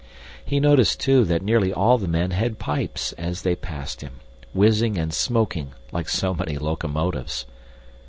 He noticed, too, that nearly all the men had pipes as they passed him, whizzing and smoking like so many locomotives.